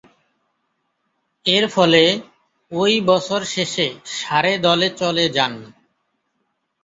এরফলে, ঐ বছর শেষে সারে দলে চলে যান।